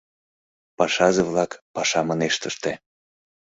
Пашазе-влак пашам ынешт ыште.